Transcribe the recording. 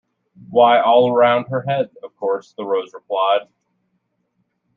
‘Why all round her head, of course,’ the Rose replied.